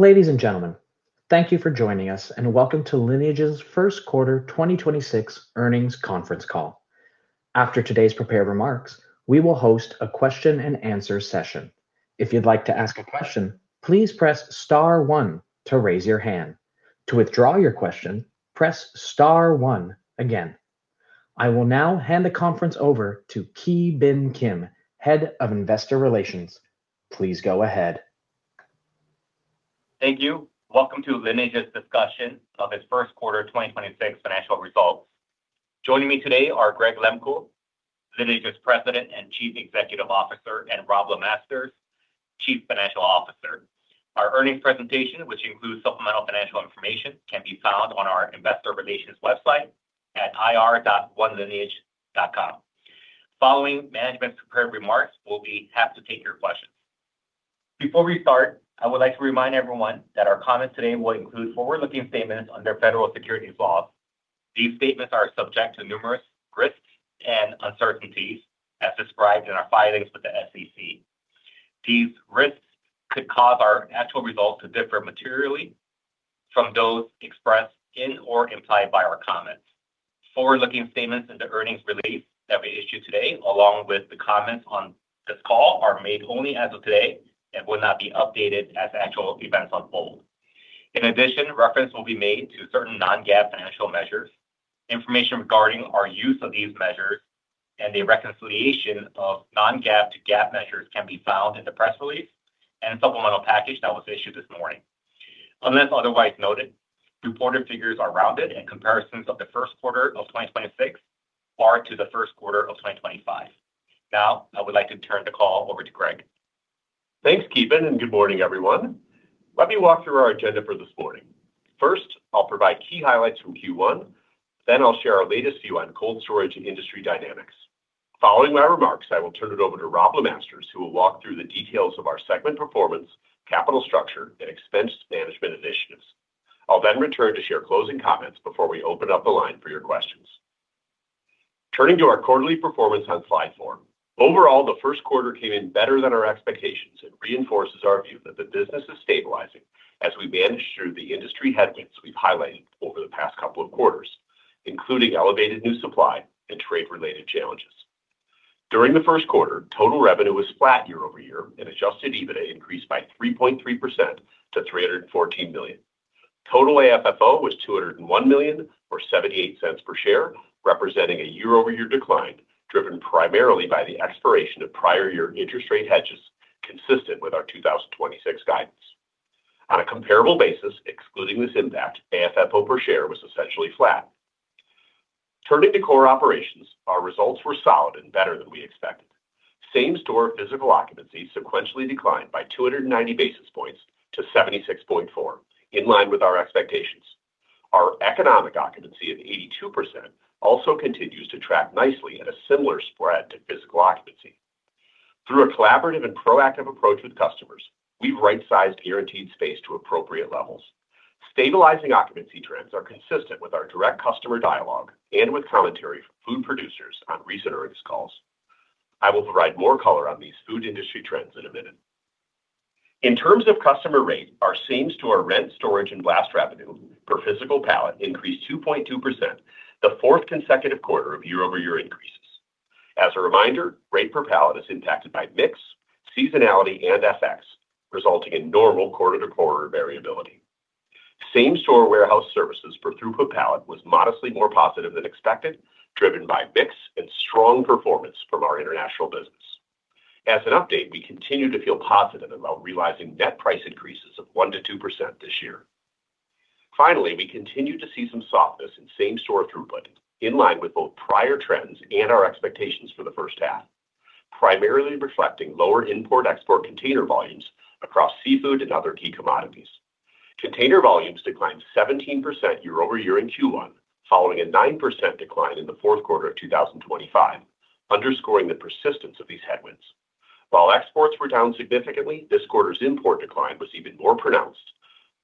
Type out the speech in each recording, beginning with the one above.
Ladies and gentlemen, thank you for joining us, and welcome to Lineage's first quarter 2026 earnings conference call. After today's prepared remarks, we will host a question-and-answer session. I will now hand the conference over to Ki Bin Kim, Head of Investor Relations. Please go ahead. Thank you. Welcome to Lineage's discussion of its first quarter 2026 financial results. Joining me today are Greg Lehmkuhl, Lineage's President and Chief Executive Officer, and Robb LeMasters, Chief Financial Officer. Our earnings presentation, which includes supplemental financial information, can be found on our investor relations website at ir.onelineage.com. Following management's prepared remarks, we'll be happy to take your questions. Before we start, I would like to remind everyone that our comments today will include forward-looking statements under federal securities laws. These statements are subject to numerous risks and uncertainties as described in our filings with the SEC. These risks could cause our actual results to differ materially from those expressed in or implied by our comments. Forward-looking statements in the earnings release that we issued today, along with the comments on this call, are made only as of today and will not be updated as actual events unfold. In addition, reference will be made to certain non-GAAP financial measures. Information regarding our use of these measures and the reconciliation of non-GAAP to GAAP measures can be found in the press release and supplemental package that was issued this morning. Unless otherwise noted, reported figures are rounded, and comparisons of the first quarter of 2026 are to the first quarter of 2025. Now, I would like to turn the call over to Greg. Thanks, Ki Bin, and good morning, everyone. Let me walk through our agenda for this morning. First, I'll provide key highlights from Q1. I'll share our latest view on cold storage and industry dynamics. Following my remarks, I will turn it over to Robb LeMasters, who will walk through the details of our segment performance, capital structure, and expense management initiatives. I'll then return to share closing comments before we open up the line for your questions. Turning to our quarterly performance on slide four. Overall, the first quarter came in better than our expectations and reinforces our view that the business is stabilizing as we manage through the industry headwinds we've highlighted over the past couple of quarters, including elevated new supply and trade-related challenges. During the first quarter, total revenue was flat year-over-year. Adjusted EBITDA increased by 3.3% to $314 million. Total AFFO was $201 million, or $0.78 per share, representing a year-over-year decline driven primarily by the expiration of prior year interest rate hedges consistent with our 2026 guidance. On a comparable basis, excluding this impact, AFFO per share was essentially flat. Turning to core operations, our results were solid and better than we expected. Same-store physical occupancy sequentially declined by 290 basis points to 76.4%, in line with our expectations. Our economic occupancy of 82% also continues to track nicely at a similar spread to physical occupancy. Through a collaborative and proactive approach with customers, we've right-sized guaranteed space to appropriate levels. Stabilizing occupancy trends are consistent with our direct customer dialogue and with commentary from food producers on recent earnings calls. I will provide more color on these food industry trends in a minute. In terms of customer rate, our same-store rent, storage, and blast revenue per physical pallet increased 2.2%, the fourth consecutive quarter of year-over-year increases. As a reminder, rate per pallet is impacted by mix, seasonality, and FX, resulting in normal quarter-to-quarter variability. Same-store warehouse services per throughput pallet was modestly more positive than expected, driven by mix and strong performance from our international business. As an update, we continue to feel positive about realizing net price increases of 1%-2% this year. Finally, we continue to see some softness in same-store throughput, in line with both prior trends and our expectations for the first half, primarily reflecting lower import/export container volumes across seafood and other key commodities. Container volumes declined 17% year-over-year in Q1, following a 9% decline in the fourth quarter of 2025, underscoring the persistence of these headwinds. While exports were down significantly, this quarter's import decline was even more pronounced,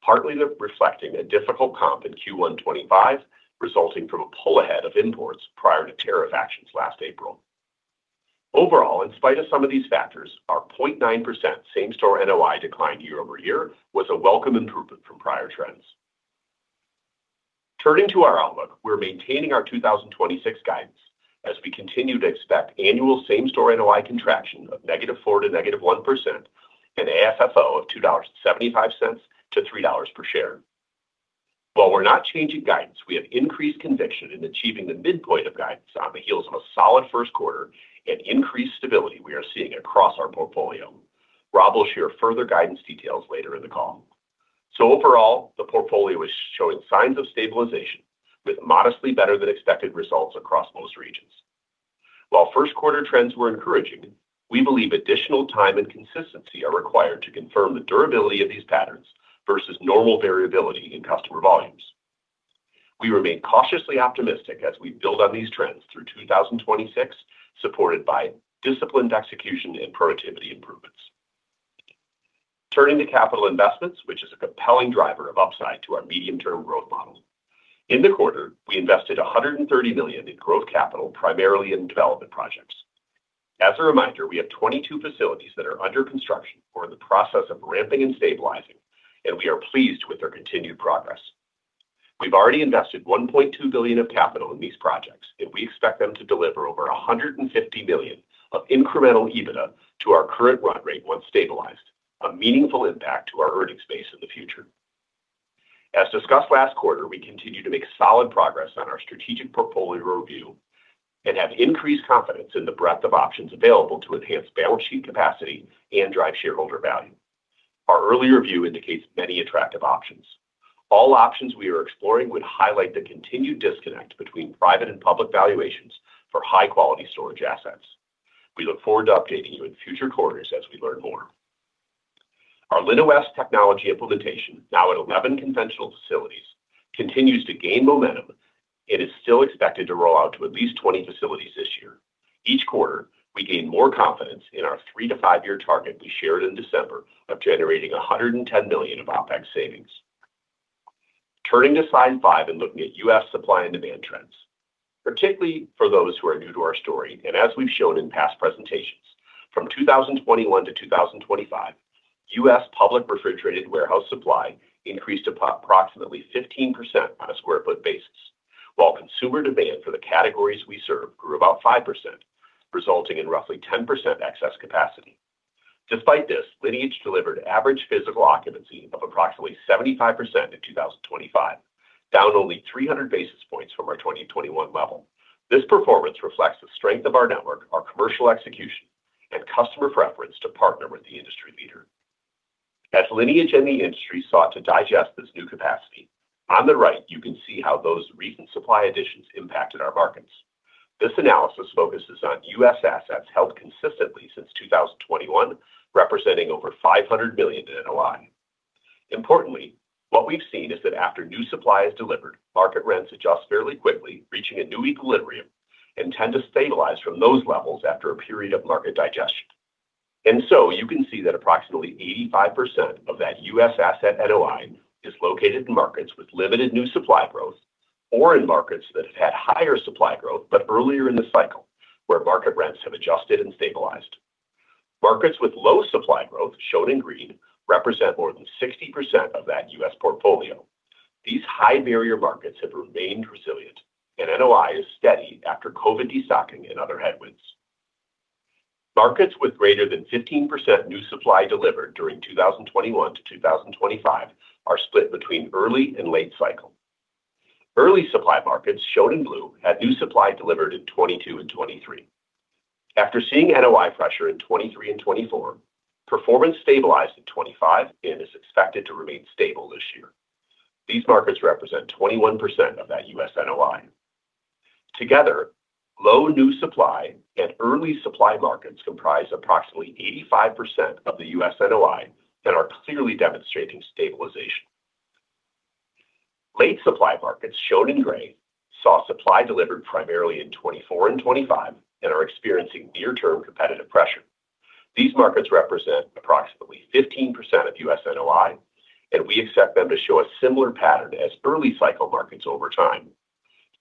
partly reflecting a difficult comp in Q1 2025, resulting from a pull ahead of imports prior to tariff actions last April. Overall, in spite of some of these factors, our 0.9% same-store NOI decline year-over-year was a welcome improvement from prior trends. Turning to our outlook, we're maintaining our 2026 guidance as we continue to expect annual same-store NOI contraction of -4% to -1% and AFFO of $2.75 per share to $3 per share. While we're not changing guidance, we have increased conviction in achieving the midpoint of guidance on the heels of a solid first quarter and increased stability we are seeing across our portfolio. Robb will share further guidance details later in the call. Overall, the portfolio is showing signs of stabilization with modestly better than expected results across most regions. While first quarter trends were encouraging, we believe additional time and consistency are required to confirm the durability of these patterns versus normal variability in customer volumes. We remain cautiously optimistic as we build on these trends through 2026, supported by disciplined execution and productivity improvements. Turning to capital investments, which is a compelling driver of upside to our medium-term growth model. In the quarter, we invested $130 million in growth capital, primarily in development projects. As a reminder, we have 22 facilities that are under construction or in the process of ramping and stabilizing, and we are pleased with their continued progress. We've already invested $1.2 billion of capital in these projects, and we expect them to deliver over $150 million of incremental EBITDA to our current run rate once stabilized, a meaningful impact to our earnings base in the future. As discussed last quarter, we continue to make solid progress on our strategic portfolio review and have increased confidence in the breadth of options available to enhance balance sheet capacity and drive shareholder value. Our early review indicates many attractive options. All options we are exploring would highlight the continued disconnect between private and public valuations for high-quality storage assets. We look forward to updating you in future quarters as we learn more. Our LinOS technology implementation, now at 11 conventional facilities, continues to gain momentum and is still expected to roll out to at least 20 facilities this year. Each quarter, we gain more confidence in our three to five-year target we shared in December of generating $110 million of OpEx savings. Turning to slide five and looking at U.S. supply and demand trends, particularly for those who are new to our story, and as we've shown in past presentations, from 2021 to 2025, U.S. public refrigerated warehouse supply increased approximately 15% on a square foot basis, while consumer demand for the categories we serve grew about 5%, resulting in roughly 10% excess capacity. Despite this, Lineage delivered average physical occupancy of approximately 75% in 2025, down only 300 basis points from our 2021 level. This performance reflects the strength of our network, our commercial execution, and customer preference to partner with the industry leader. As Lineage and the industry sought to digest this new capacity, on the right you can see how those recent supply additions impacted our markets. This analysis focuses on U.S. assets held consistently since 2021, representing over $500 million in NOI. Importantly, what we've seen is that after new supply is delivered, market rents adjust fairly quickly, reaching a new equilibrium and tend to stabilize from those levels after a period of market digestion. You can see that approximately 85% of that U.S. asset NOI is located in markets with limited new supply growth or in markets that have had higher supply growth, but earlier in the cycle, where market rents have adjusted and stabilized. Markets with low supply growth, shown in green, represent more than 60% of that U.S. portfolio. These high-barrier markets have remained resilient, and NOI is steady after COVID destocking and other headwinds. Markets with greater than 15% new supply delivered during 2021 to 2025 are split between early and late cycle. Early supply markets, shown in blue, had new supply delivered in 2022 and 2023. After seeing NOI pressure in 2023 and 2024, performance stabilized in 2025 and is expected to remain stable this year. These markets represent 21% of that U.S. NOI. Together, low new supply and early supply markets comprise approximately 85% of the U.S. NOI that are clearly demonstrating stabilization. Late supply markets, shown in gray, saw supply delivered primarily in 2024 and 2025 and are experiencing near-term competitive pressure. These markets represent approximately 15% of U.S. NOI, and we expect them to show a similar pattern as early cycle markets over time.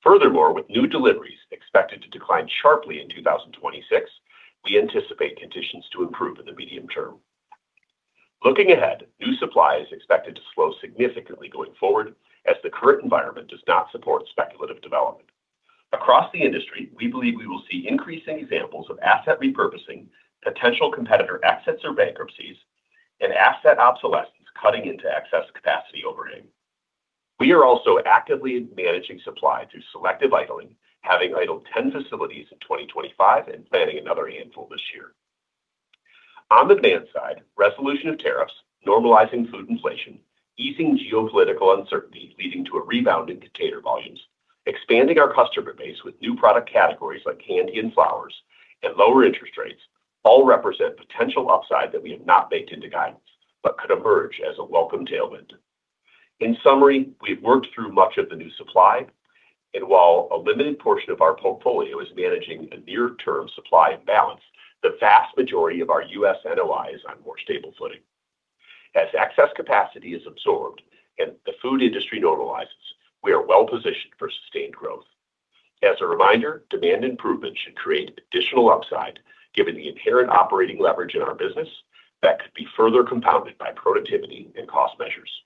Furthermore, with new deliveries expected to decline sharply in 2026, we anticipate conditions to improve in the medium term. Looking ahead, new supply is expected to slow significantly going forward as the current environment does not support speculative development. Across the industry, we believe we will see increasing examples of asset repurposing, potential competitor exits or bankruptcies, and asset obsolescence cutting into excess capacity over time. We are also actively managing supply through selective idling, having idled 10 facilities in 2025 and planning another handful this year. On the demand side, resolution of tariffs, normalizing food inflation, easing geopolitical uncertainty leading to a rebound in container volumes, expanding our customer base with new product categories like candy and flowers, and lower interest rates all represent potential upside that we have not baked into guidance, but could emerge as a welcome tailwind. In summary, we've worked through much of the new supply, and while a limited portion of our portfolio is managing a near-term supply imbalance, the vast majority of our U.S. NOI is on more stable footing. As excess capacity is absorbed and the food industry normalizes, we are well-positioned for sustained growth. As a reminder, demand improvement should create additional upside given the inherent operating leverage in our business that could be further compounded by productivity and cost measures.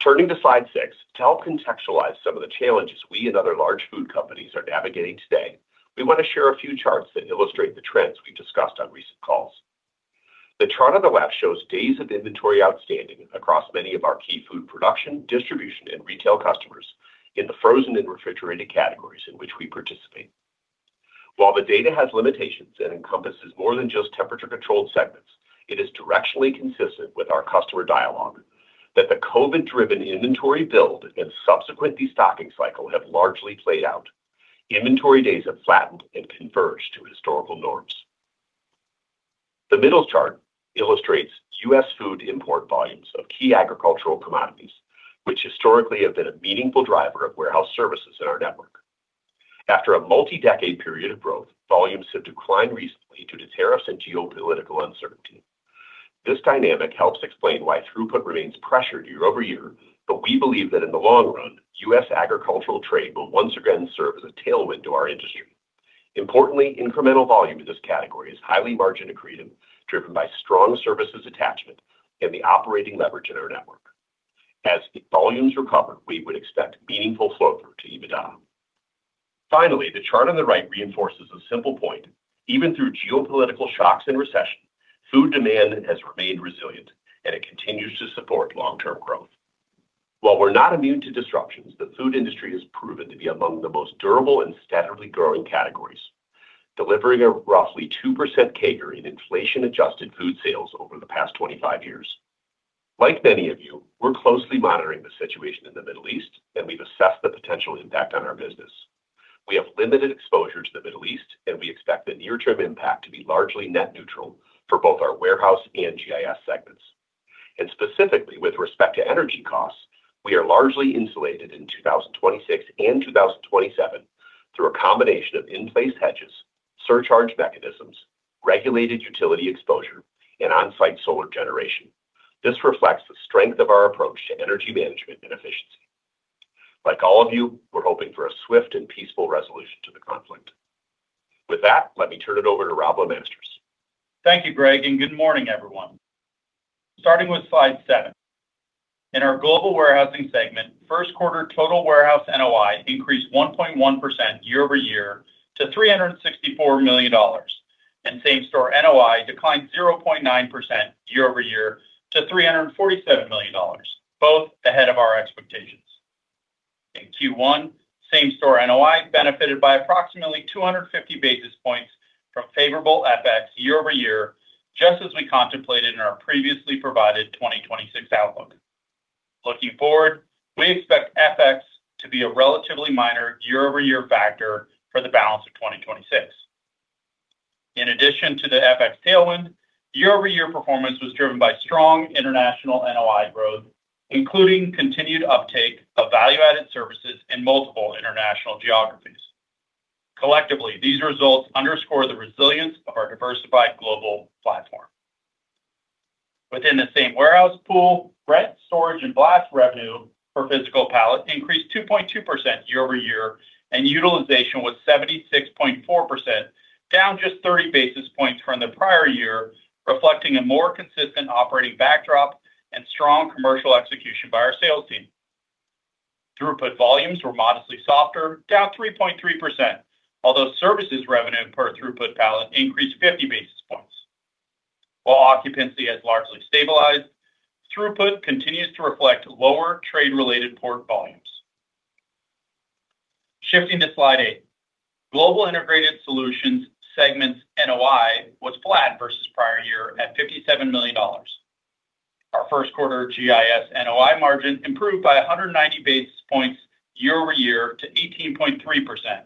Turning to slide six, to help contextualize some of the challenges we and other large food companies are navigating today, we want to share a few charts that illustrate the trends we've discussed on recent calls. The chart on the left shows days of inventory outstanding across many of our key food production, distribution, and retail customers in the frozen and refrigerated categories in which we participate. While the data has limitations and encompasses more than just temperature-controlled segments, it is directionally consistent with our customer dialogue that the COVID-driven inventory build and subsequent destocking cycle have largely played out. Inventory days have flattened and converged to historical norms. The middle chart illustrates U.S. food import volumes of key agricultural commodities, which historically have been a meaningful driver of warehouse services in our network. After a multi-decade period of growth, volumes have declined recently due to tariffs and geopolitical uncertainty. This dynamic helps explain why throughput remains pressured year-over-year, but we believe that in the long run, U.S. agricultural trade will once again serve as a tailwind to our industry. Importantly, incremental volume in this category is highly margin accretive, driven by strong services attachment and the operating leverage in our network. As volumes recover, we would expect meaningful flow-through to EBITDA. Finally, the chart on the right reinforces a simple point: even through geopolitical shocks and recession, food demand has remained resilient, and it continues to support long-term growth. While we're not immune to disruptions, the food industry has proven to be among the most durable and steadily growing categories, delivering a roughly 2% CAGR in inflation-adjusted food sales over the past 25 years. Like many of you, we're closely monitoring the situation in the Middle East, and we've assessed the potential impact on our business. We have limited exposure to the Middle East, and we expect the near-term impact to be largely net neutral for both our warehouse and GIS segments. Specifically, with respect to energy costs, we are largely insulated in 2026 and 2027 through a combination of in-place hedges, surcharge mechanisms, regulated utility exposure, and on-site solar generation. This reflects the strength of our approach to energy management and efficiency. Like all of you, we're hoping for a swift and peaceful resolution to the conflict. With that, let me turn it over to Robb LeMasters. Thank you, Greg. Good morning, everyone. Starting with slide seven. In our global warehousing segment, first quarter total warehouse NOI increased 1.1% year-over-year to $364 million, and same-store NOI declined 0.9% year-over-year to $347 million, both ahead of our expectations. In Q1, same-store NOI benefited by approximately 250 basis points from favorable FX year-over-year, just as we contemplated in our previously provided 2026 outlook. Looking forward, we expect FX to be a relatively minor year-over-year factor for the balance of 2026. In addition to the FX tailwind, year-over-year performance was driven by strong international NOI growth, including continued uptake of value-added services in multiple international geographies. Collectively, these results underscore the resilience of our diversified global platform. Within the same warehouse pool, rent, storage, and blast revenue for physical pallets increased 2.2% year-over-year. Utilization was 76.4%, down just 30 basis points from the prior year, reflecting a more consistent operating backdrop and strong commercial execution by our sales team. Throughput volumes were modestly softer, down 3.3%, although services revenue per throughput pallet increased 50 basis points. While occupancy has largely stabilized, throughput continues to reflect lower trade-related port volumes. Shifting to slide eight. Global Integrated Solutions segment's NOI was flat versus prior year at $57 million. Our first quarter GIS NOI margin improved by 190 basis points year-over-year to 18.3%,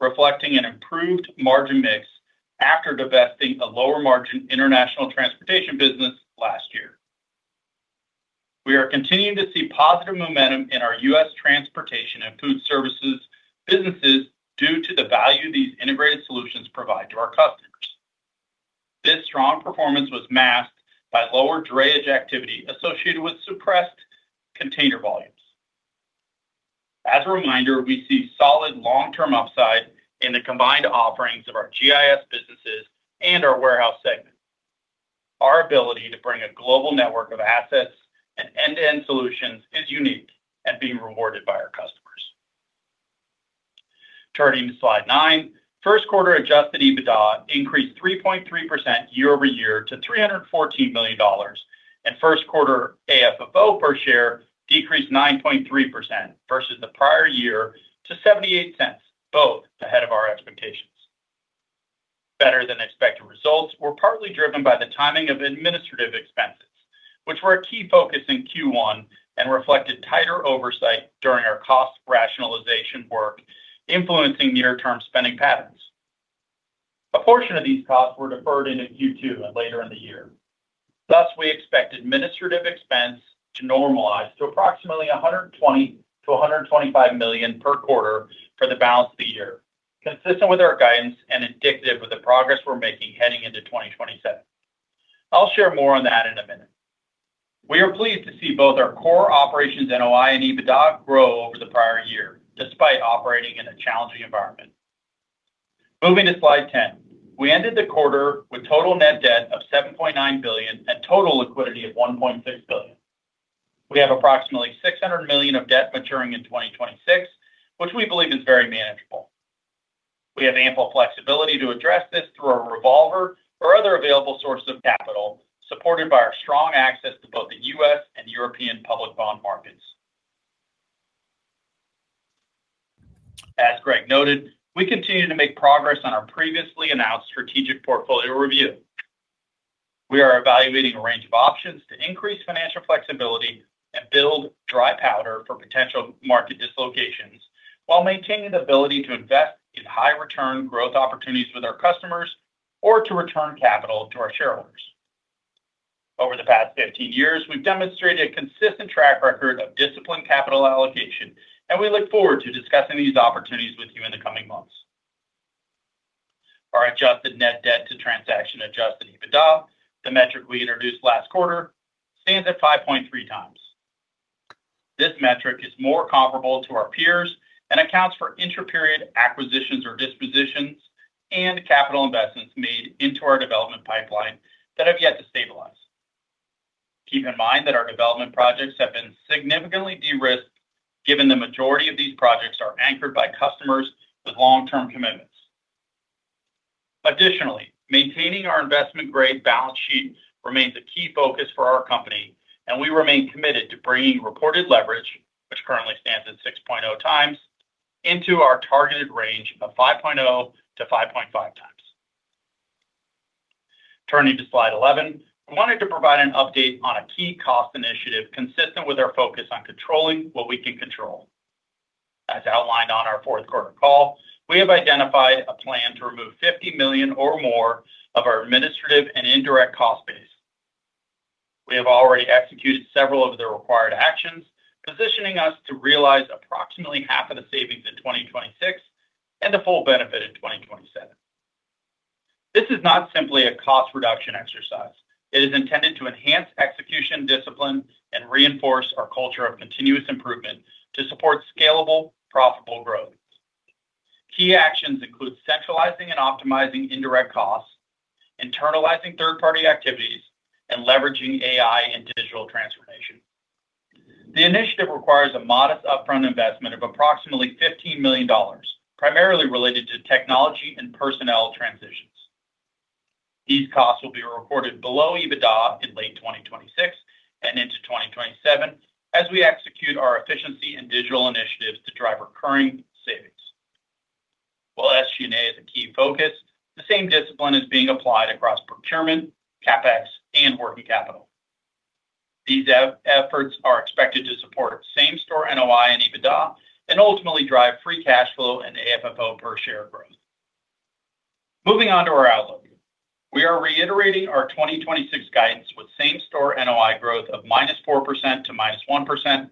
reflecting an improved margin mix after divesting a lower margin international transportation business last year. We are continuing to see positive momentum in our U.S. transportation and food services businesses due to the value these integrated solutions provide to our customers. This strong performance was masked by lower drayage activity associated with suppressed container volumes. As a reminder, we see solid long-term upside in the combined offerings of our GIS businesses and our warehouse segment. Our ability to bring a global network of assets and end-to-end solutions is unique and being rewarded by our customers. Turning to slide nine, first quarter adjusted EBITDA increased 3.3% year-over-year to $314 million, and first quarter AFFO per share decreased 9.3% versus the prior year to $0.78, both ahead of our expectations. Better than expected results were partly driven by the timing of administrative expenses, which were a key focus in Q1 and reflected tighter oversight during our cost rationalization work, influencing near-term spending patterns. A portion of these costs were deferred into Q2 and later in the year. Thus, we expect administrative expense to normalize to approximately $120 million-$125 million per quarter for the balance of the year, consistent with our guidance and indicative of the progress we're making heading into 2027. I'll share more on that in a minute. We are pleased to see both our core operations NOI and EBITDA grow over the prior year, despite operating in a challenging environment. Moving to slide 10. We ended the quarter with total net debt of $7.9 billion and total liquidity of $1.6 billion. We have approximately $600 million of debt maturing in 2026, which we believe is very manageable. We have ample flexibility to address this through a revolver or other available sources of capital, supported by our strong access to both the U.S. and European public bond markets. As Greg noted, we continue to make progress on our previously announced strategic portfolio review. We are evaluating a range of options to increase financial flexibility and build dry powder for potential market dislocations while maintaining the ability to invest in high return growth opportunities with our customers or to return capital to our shareholders. Over the past 15 years, we've demonstrated a consistent track record of disciplined capital allocation, and we look forward to discussing these opportunities with you. Our adjusted net debt to transaction adjusted EBITDA, the metric we introduced last quarter, stands at 5.3x. This metric is more comparable to our peers and accounts for intra-period acquisitions or dispositions and capital investments made into our development pipeline that have yet to stabilize. Keep in mind that our development projects have been significantly de-risked, given the majority of these projects are anchored by customers with long-term commitments. Additionally, maintaining our investment-grade balance sheet remains a key focus for our company, and we remain committed to bringing reported leverage, which currently stands at 6.0x, into our targeted range of 5.0x-5.5x. Turning to slide 11, I wanted to provide an update on a key cost initiative consistent with our focus on controlling what we can control. As outlined on our fourth quarter call, we have identified a plan to remove $50 million or more of our administrative and indirect cost base. We have already executed several of the required actions, positioning us to realize approximately half of the savings in 2026 and the full benefit in 2027. This is not simply a cost reduction exercise. It is intended to enhance execution discipline and reinforce our culture of continuous improvement to support scalable, profitable growth. Key actions include centralizing and optimizing indirect costs, internalizing third-party activities, and leveraging AI and digital transformation. The initiative requires a modest upfront investment of approximately $15 million, primarily related to technology and personnel transitions. These costs will be recorded below EBITDA in late 2026 and into 2027 as we execute our efficiency and digital initiatives to drive recurring savings. While SG&A is a key focus, the same discipline is being applied across procurement, CapEx, and working capital. These efforts are expected to support same-store NOI and EBITDA and ultimately drive free cash flow and AFFO per share growth. Moving on to our outlook. We are reiterating our 2026 guidance with same-store NOI growth of -4% to -1%,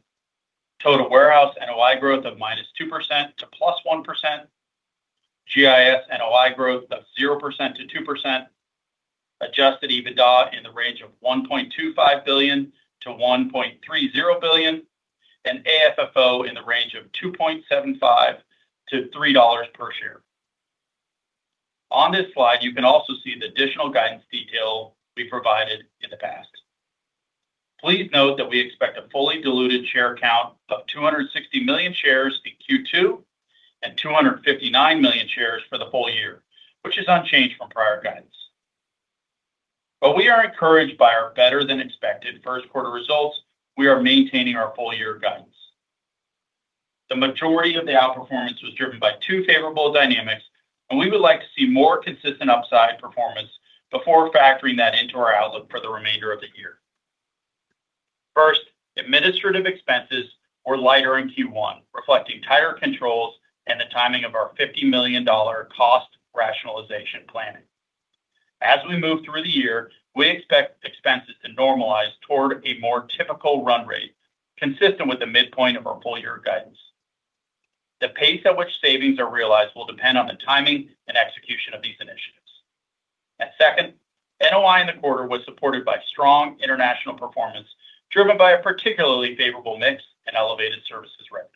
total warehouse NOI growth of -2% to +1%, GIS NOI growth of 0% to 2%, adjusted EBITDA in the range of $1.25 billion-$1.3 billion, and AFFO in the range of $2.75 per share-$3.00 per share. On this slide, you can also see the additional guidance detail we provided in the past. Please note that we expect a fully diluted share count of 260 million shares in Q2 and 259 million shares for the full year, which is unchanged from prior guidance. While we are encouraged by our better-than-expected first quarter results, we are maintaining our full year guidance. The majority of the outperformance was driven by two favorable dynamics, and we would like to see more consistent upside performance before factoring that into our outlook for the remainder of the year. First, administrative expenses were lighter in Q1, reflecting tighter controls and the timing of our $50 million cost rationalization planning. As we move through the year, we expect expenses to normalize toward a more typical run rate consistent with the midpoint of our full year guidance. The pace at which savings are realized will depend on the timing and execution of these initiatives. Second, NOI in the quarter was supported by strong international performance, driven by a particularly favorable mix in elevated services revenue.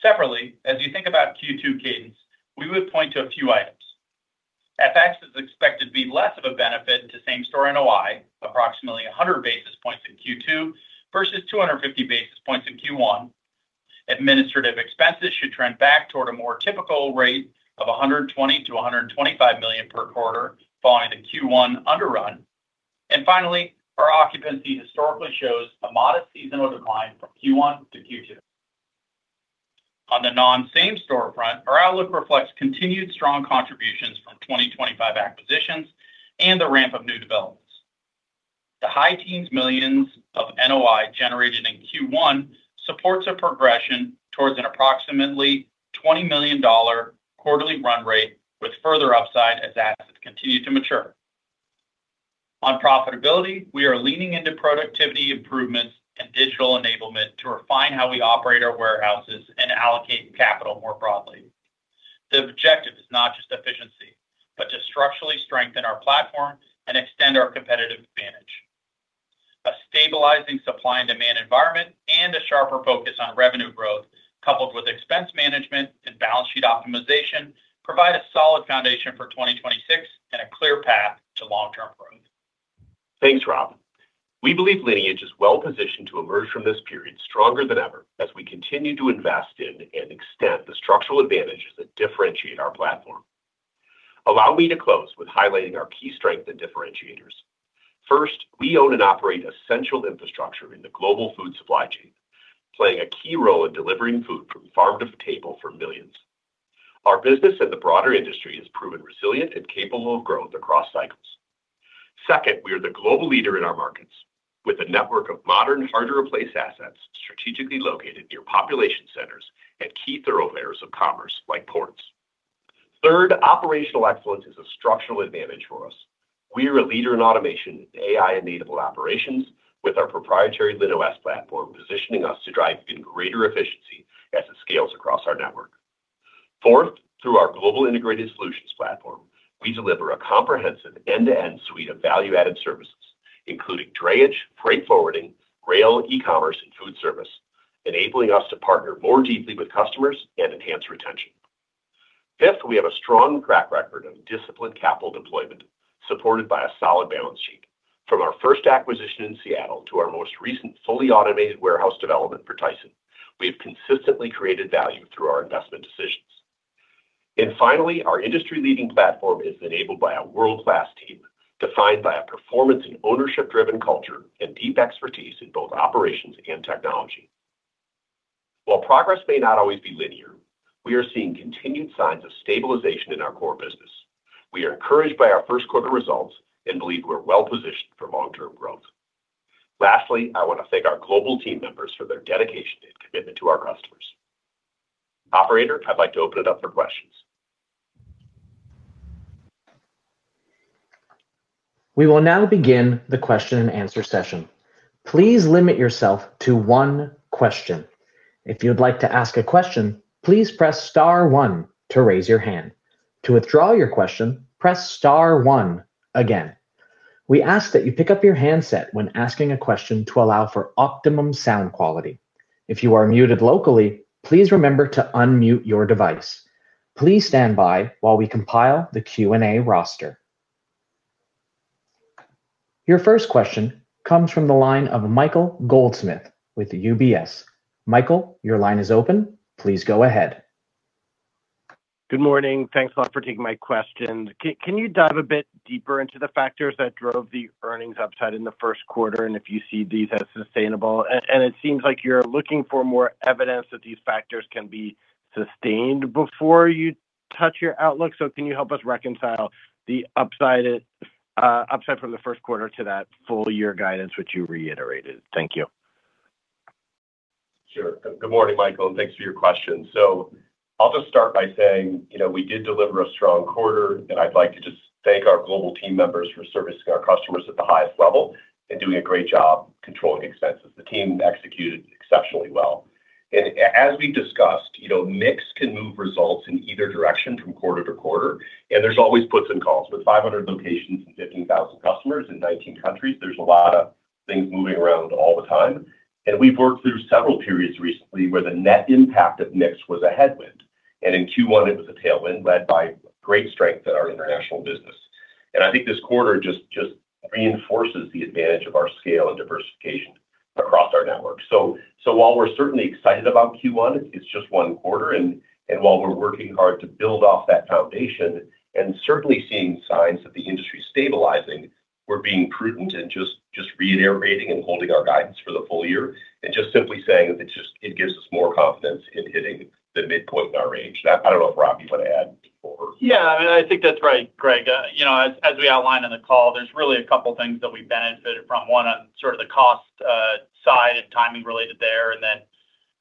Separately, as you think about Q2 cadence, we would point to a few items. FX is expected to be less of a benefit to same-store NOI, approximately 100 basis points in Q2 versus 250 basis points in Q1. Administrative expenses should trend back toward a more typical rate of $120 million-$125 million per quarter following the Q1 underrun. Finally, our occupancy historically shows a modest seasonal decline from Q1 to Q2. On the non-same-store front, our outlook reflects continued strong contributions from 2025 acquisitions and the ramp of new developments. The high teens millions of NOI generated in Q1 supports a progression towards an approximately $20 million quarterly run rate with further upside as assets continue to mature. On profitability, we are leaning into productivity improvements and digital enablement to refine how we operate our warehouses and allocate capital more broadly. The objective is not just efficiency, but to structurally strengthen our platform and extend our competitive advantage. A stabilizing supply and demand environment and a sharper focus on revenue growth coupled with expense management and balance sheet optimization provide a solid foundation for 2026 and a clear path to long-term growth. Thanks, Robb. We believe Lineage is well positioned to emerge from this period stronger than ever as we continue to invest in and extend the structural advantages that differentiate our platform. Allow me to close with highlighting our key strength and differentiators. First, we own and operate essential infrastructure in the global food supply chain, playing a key role in delivering food from farm to table for millions. Our business and the broader industry has proven resilient and capable of growth across cycles. Second, we are the global leader in our markets with a network of modern, hard-to-replace assets strategically located near population centers and key thoroughfares of commerce like ports. Third, operational excellence is a structural advantage for us. We are a leader in automation, AI, and native operations with our proprietary LinOS platform positioning us to drive even greater efficiency as it scales across our network. Fourth, through our Global Integrated Solutions platform, we deliver a comprehensive end-to-end suite of value-added services, including drayage, freight forwarding, rail, e-commerce, and food service, enabling us to partner more deeply with customers and enhance retention. Fifth, we have a strong track record of disciplined capital deployment supported by a solid balance sheet. From our first acquisition in Seattle to our most recent fully automated warehouse development for Tyson, we have consistently created value through our investment decisions. Finally, our industry-leading platform is enabled by a world-class team defined by a performance and ownership-driven culture and deep expertise in both operations and technology. While progress may not always be linear, we are seeing continued signs of stabilization in our core business. We are encouraged by our first quarter results and believe we're well-positioned for long-term growth. Lastly, I want to thank our global team members for their dedication and commitment to our customers. Operator, I'd like to open it up for questions. We will now begin the question-and-answer session. Please limit yourself to one question. If you'd like to ask a question, please press star one to raise your hand. To withdraw your question, press star one again. We ask that you pick up your handset when asking a question to allow for optimum sound quality. If you are muted locally, please remember to unmute your device. Please stand by while we compile the Q&A roster. Your first question comes from the line of Michael Goldsmith with UBS. Michael, your line is open. Please go ahead. Good morning. Thanks a lot for taking my question. Can you dive a bit deeper into the factors that drove the earnings upside in the first quarter, and if you see these as sustainable? It seems like you're looking for more evidence that these factors can be sustained before you touch your outlook. Can you help us reconcile the upside it, upside from the first quarter to that full year guidance which you reiterated? Thank you. Sure. Good morning, Michael, thanks for your question. I'll just start by saying, you know, we did deliver a strong quarter, I'd like to just thank our global team members for servicing our customers at the highest level and doing a great job controlling expenses. The team executed exceptionally well. As we discussed, you know, mix can move results in either direction from quarter-to-quarter, there's always puts and calls. With 500 locations and 15,000 customers in 19 countries, there's a lot of things moving around all the time. We've worked through several periods recently where the net impact of mix was a headwind. In Q1, it was a tailwind led by great strength in our international business. I think this quarter just reinforces the advantage of our scale and diversification across our network. While we're certainly excited about Q1, it's just one quarter and while we're working hard to build off that foundation and certainly seeing signs of the industry stabilizing, we're being prudent and just reiterating and holding our guidance for the full year and just simply saying it gives us more confidence in hitting the midpoint in our range. That. I don't know if Robb, you wanna add more? Yeah, I mean, I think that's right, Greg. You know, as we outlined on the call, there's really a couple things that we benefited from. One, sort of the cost side and timing related there, and then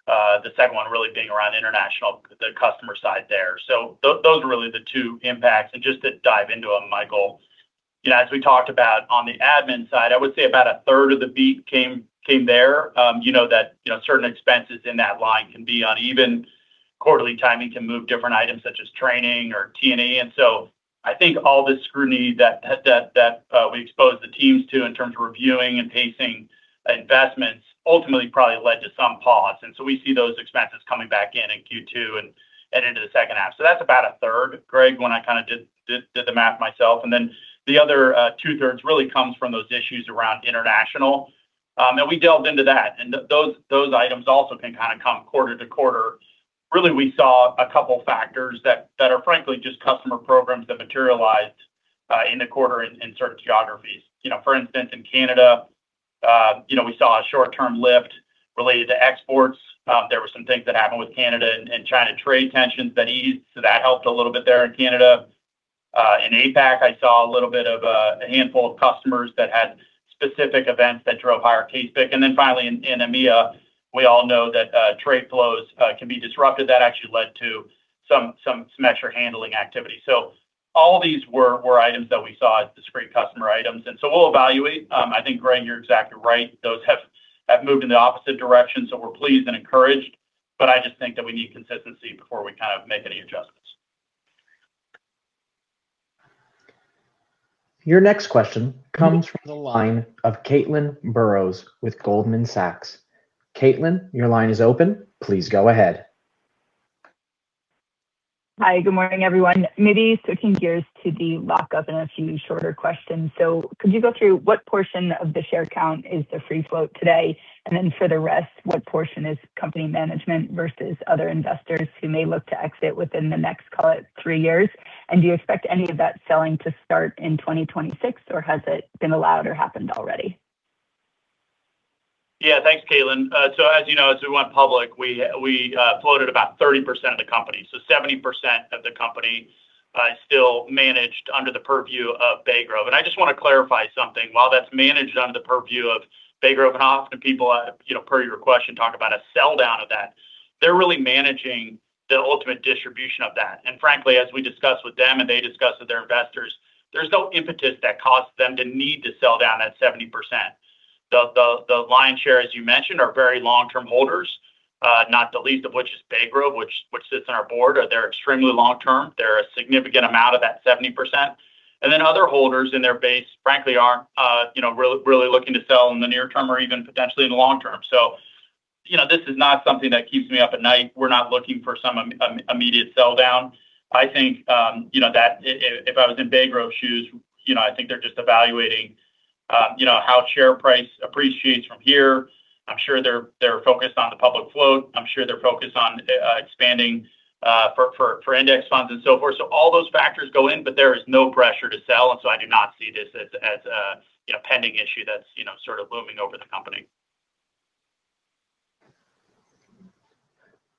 the second one really being around international, the customer side there. Those are really the two impacts. Just to dive into them, Michael, you know, as we talked about on the admin side, I would say about 1/3 of the beat came there. You know, that, you know, certain expenses in that line can be uneven. Quarterly timing can move different items such as training or T&E. I think all the scrutiny that we exposed the teams to in terms of reviewing and pacing investments ultimately probably led to some pause. We see those expenses coming back in Q2 and into the second half. That's about a third, Greg, when I kind of did the math myself. The other two thirds really comes from those issues around international. We delved into that, and those items also can kind of come quarter to quarter. Really, we saw a couple factors that are frankly just customer programs that materialized in the quarter in certain geographies. You know, for instance, in Canada, you know, we saw a short-term lift related to exports. There were some things that happened with Canada and China trade tensions that eased, that helped a little bit there in Canada. In APAC, I saw a little bit of a handful of customers that had specific events that drove higher case picking. Finally in EMEA, we all know that trade flows can be disrupted. That actually led to some asymmetric handling activity. All these were items that we saw as discrete customer items. We'll evaluate. I think, Greg, you're exactly right. Those have moved in the opposite direction, so we're pleased and encouraged, but I just think that we need consistency before we kind of make any adjustments. Your next question comes from the line of Caitlin Burrows with Goldman Sachs. Caitlin, your line is open. Please go ahead. Hi, good morning, everyone. Maybe switching gears to the lockup and a few shorter questions. Could you go through what portion of the share count is the free float today? Then for the rest, what portion is company management versus other investors who may look to exit within the next, call it, three years? Do you expect any of that selling to start in 2026, or has it been allowed or happened already? Yeah. Thanks, Caitlin. As you know, as we went public, we floated about 30% of the company. 70% of the company is still managed under the purview of Bay Grove. I just wanna clarify something. While that's managed under the purview of Bay Grove, and often people, you know, per your question, talk about a sell down of that. They're really managing the ultimate distribution of that. Frankly, as we discussed with them and they discussed with their investors, there's no impetus that caused them to need to sell down at 70%. The lion's share, as you mentioned, are very long-term holders, not the least of which is Bay Grove, which sits on our board. They're extremely long-term. They're a significant amount of that 70%. Other holders in their base frankly aren't, you know, really looking to sell in the near term or even potentially in the long term. You know, this is not something that keeps me up at night. We're not looking for some immediate sell down. I think, you know, that if I was in Bay Grove's shoes, you know, I think they're just evaluating, you know, how share price appreciates from here. I'm sure they're focused on the public float. I'm sure they're focused on expanding for index funds and so forth. All those factors go in, but there is no pressure to sell. I do not see this as a, you know, pending issue that's, you know, sort of looming over the company.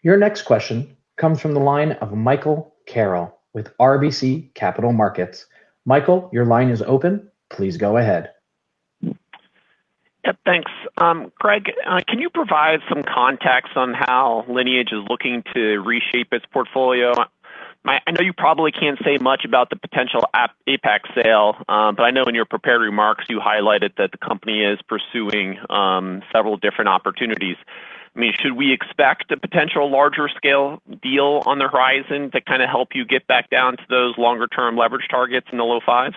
Your next question comes from the line of Michael Carroll with RBC Capital Markets. Michael, your line is open. Please go ahead. Yep, thanks. Greg, can you provide some context on how Lineage is looking to reshape its portfolio? I know you probably can't say much about the potential APAC sale, but I know in your prepared remarks you highlighted that the company is pursuing several different opportunities. I mean, should we expect a potential larger scale deal on the horizon to kind of help you get back down to those longer term leverage targets in the low fives?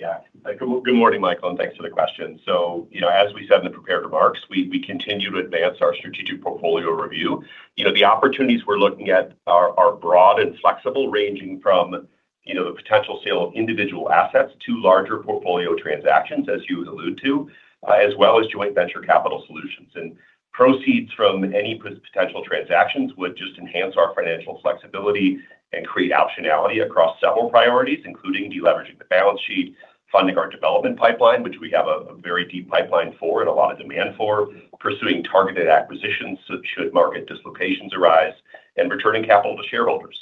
Yeah. Good morning, Michael, and thanks for the question. You know, as we said in the prepared remarks, we continue to advance our strategic portfolio review. You know, the opportunities we're looking at are broad and flexible, ranging from, you know, the potential sale of individual assets to larger portfolio transactions, as you allude to, as well as joint venture capital solutions. Proceeds from any potential transactions would just enhance our financial flexibility and create optionality across several priorities, including de-leveraging the balance sheet, funding our development pipeline, which we have a very deep pipeline for and a lot of demand for, pursuing targeted acquisitions should market dislocations arise, and returning capital to shareholders.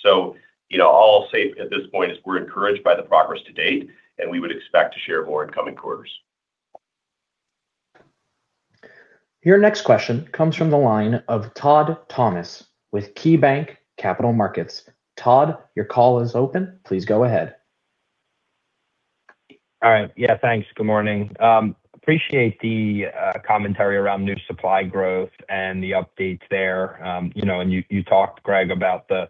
You know, all I'll say at this point is we're encouraged by the progress to date, and we would expect to share more in coming quarters. Your next question comes from the line of Todd Thomas with KeyBanc Capital Markets. Todd, your call is open. Please go ahead. All right. Yeah, thanks. Good morning. Appreciate the commentary around new supply growth and the updates there. You know, and you talked, Greg, about the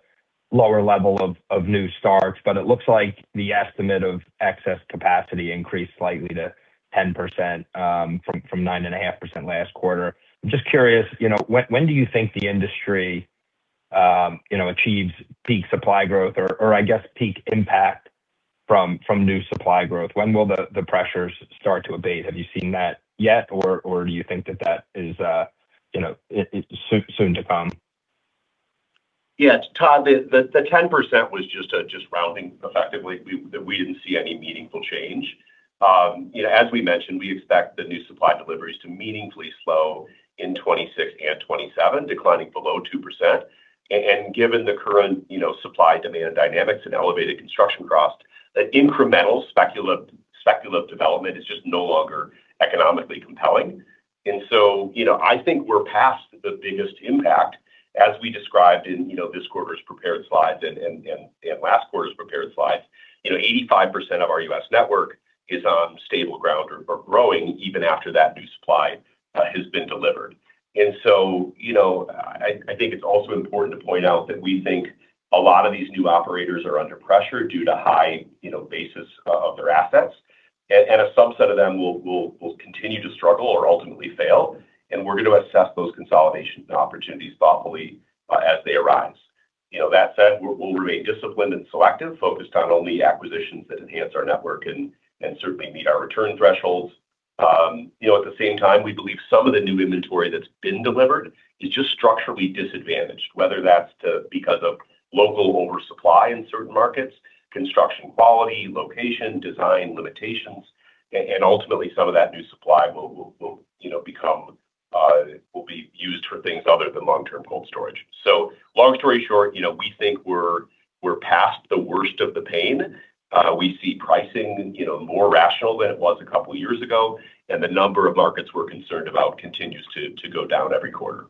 lower level of new starts, but it looks like the estimate of excess capacity increased slightly to 10% from 9.5% last quarter. Just curious, you know, when do you think the industry, you know, achieves peak supply growth or I guess peak impact from new supply growth? When will the pressures start to abate? Have you seen that yet, or do you think that that is, you know, it's soon to come? Yeah, Todd, the 10% was just rounding effectively. We didn't see any meaningful change. You know, as we mentioned, we expect the new supply deliveries to meaningfully slow in 2026 and 2027, declining below 2%. Given the current, you know, supply-demand dynamics and elevated construction cost, the incremental speculative development is just no longer economically compelling. You know, I think we're past the biggest impact as we described in, you know, this quarter's prepared slides and last quarter's prepared slides. You know, 85% of our U.S. network is on stable ground or growing even after that new supply has been delivered. You know, I think it's also important to point out that we think a lot of these new operators are under pressure due to high, you know, basis of their assets. A subset of them will continue to struggle or ultimately fail, and we're going to assess those consolidation opportunities thoughtfully as they arise. You know, that said, we'll remain disciplined and selective, focused on only acquisitions that enhance our network and certainly meet our return thresholds. You know, at the same time, we believe some of the new inventory that's been delivered is just structurally disadvantaged, whether that's because of local oversupply in certain markets, construction quality, location, design limitations. Ultimately, some of that new supply will, you know, be used for things other than long-term cold storage. Long story short, you know, we think we're past the worst of the pain. We see pricing, you know, more rational than it was a couple years ago, and the number of markets we're concerned about continues to go down every quarter.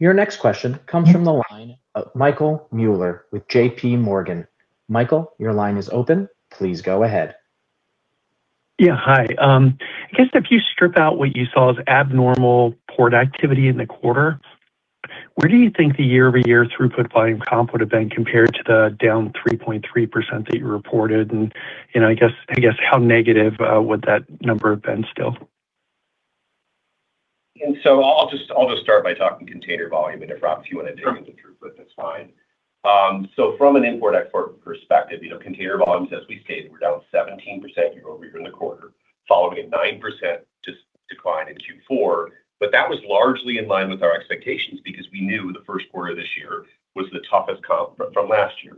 Your next question comes from the line of Michael Mueller with JPMorgan. Michael, your line is open. Please go ahead. Yeah. Hi. I guess if you strip out what you saw as abnormal port activity in the quarter, where do you think the year-over-year throughput volume comp would have been compared to the down 3.3% that you reported? You know, I guess how negative, would that number have been still? I'll just start by talking container volume. If, Robb, if you want to dig- Sure. into throughput, that's fine. From an import-export perspective, you know, container volumes, as we stated, were down 17% year-over-year in the quarter, following a 9% decline in Q4. That was largely in line with our expectations because we knew the first quarter of this year was the toughest comp from last year.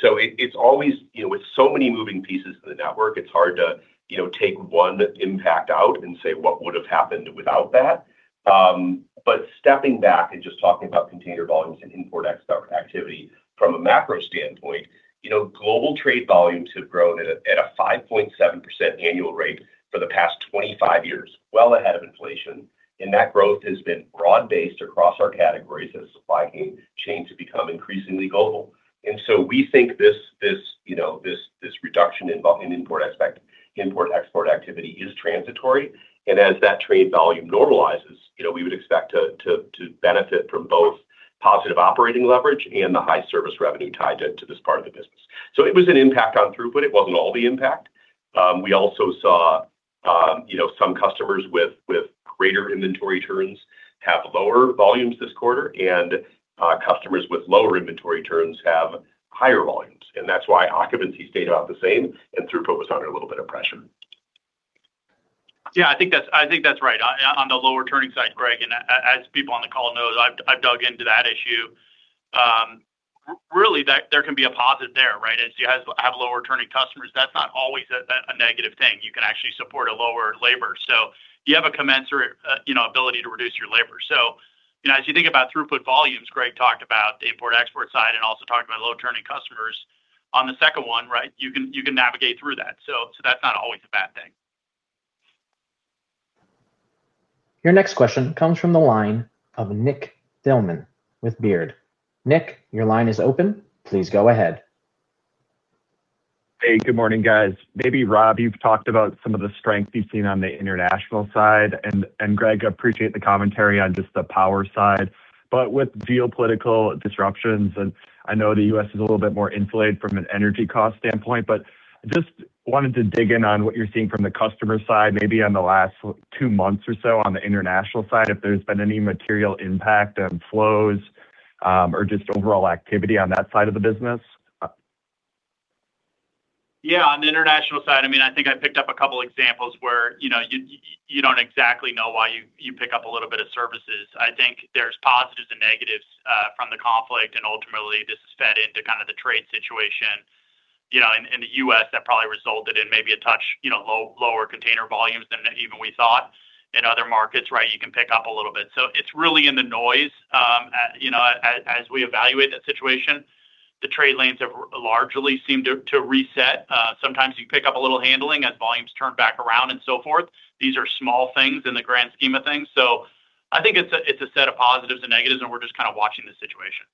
So it's always, you know, with so many moving pieces in the network, it's hard to, you know, take one impact out and say what would have happened without that. Stepping back and just talking about container volumes and import-export activity from a macro standpoint, you know, global trade volumes have grown at a 5.7% annual rate for the past 25 years, well ahead of inflation. That growth has been broad-based across our categories as supply chain chains have become increasingly global. We think this, you know, this reduction in import-export activity is transitory. As that trade volume normalizes, you know, we would expect to benefit from both positive operating leverage and the high service revenue tied to this part of the business. It was an impact on throughput. It wasn't all the impact. We also saw, you know, some customers with greater inventory turns have lower volumes this quarter, and customers with lower inventory turns have higher volumes. That's why occupancy stayed about the same and throughput was under a little bit of pressure. Yeah, I think that's right. On the lower turning side, Greg, as people on the call know, I've dug into that issue. Really, that there can be a positive there, right? If you have lower turning customers, that's not always a negative thing. You can actually support a lower labor. You have a commensurate, you know, ability to reduce your labor. You know, as you think about throughput volumes, Greg talked about the import-export side and also talked about low turning customers. On the second one, right, you can navigate through that. That's not always a bad thing. Your next question comes from the line of Nick Thillman with Baird. Nick, your line is open. Please go ahead. Hey, good morning, guys. Maybe Robb, you've talked about some of the strength you've seen on the international side. And Greg, appreciate the commentary on just the power side. With geopolitical disruptions, and I know the U.S. is a little bit more insulated from an energy cost standpoint, but just wanted to dig in on what you're seeing from the customer side, maybe on the last two months or so on the international side, if there's been any material impact on flows, or just overall activity on that side of the business. Yeah, on the international side, I mean, I think I picked up two examples where, you know, you don't exactly know why you pick up a little bit of services. I think there's positives and negatives from the conflict. Ultimately, this has fed into kind of the trade situation, you know, in the U.S. that probably resulted in maybe a touch, you know, lower container volumes than even we thought. In other markets, right, you can pick up a little bit. It's really in the noise. As, you know, as we evaluate that situation, the trade lanes have largely seemed to reset. Sometimes you pick up a little handling as volumes turn back around and so forth. These are small things in the grand scheme of things. I think it's a, it's a set of positives and negatives, and we're just kinda watching the situation.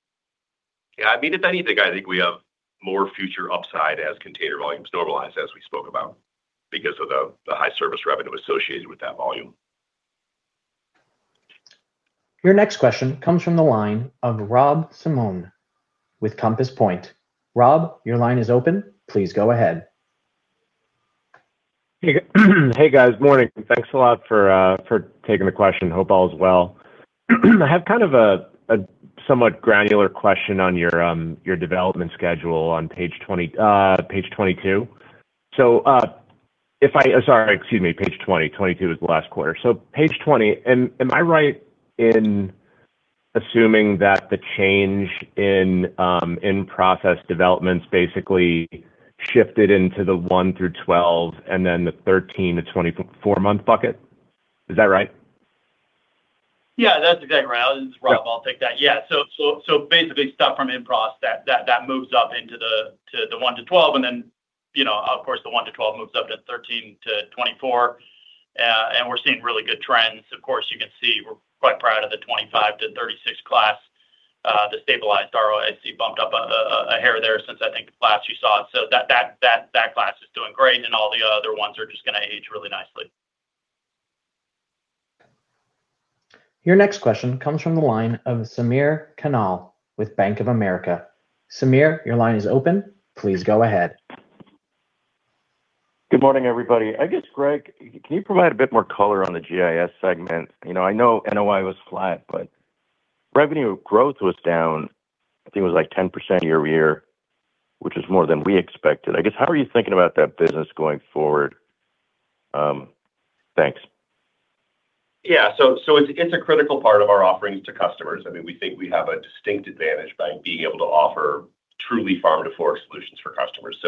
Yeah. I mean, if anything, I think we have more future upside as container volumes normalize, as we spoke about because of the high service revenue associated with that volume. Your next question comes from the line of Rob Simone with Compass Point. Rob, your line is open. Please go ahead. Hey, guys. Morning. Thanks a lot for taking the question. Hope all is well. I have kind of a somewhat granular question on your development schedule on page 22. Sorry, page 20, 2022 was last quarter. Page 20, am I right in assuming that the change in in-process developments basically shifted into the one to 12-month and then the 13-month to 24-month bucket? Is that right? Yeah, that's exactly right. This is Robb. I'll take that. Yeah. Basically stuff from in-process that moves up into the one to 12-month and then, you know, of course, the one to 12-month moves up to 13-month to 24-month. We're seeing really good trends. Of course, you can see we're quite proud of the 25 to 36 class. The stabilized ROIC bumped up a hair there since I think last you saw it. That class is doing great, and all the other ones are just gonna age really nicely. Your next question comes from the line of Samir Khanal with Bank of America. Samir, your line is open. Please go ahead. Good morning, everybody. I guess, Greg, can you provide a bit more color on the GIS segment? You know, I know NOI was flat, but revenue growth was down, I think it was like 10% year-over-year, which is more than we expected. I guess, how are you thinking about that business going forward? Thanks. Yeah. It's a critical part of our offerings to customers. I mean, we think we have a distinct advantage by being able to offer truly farm-to-fork solutions for customers.